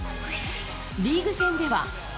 リーグ戦では。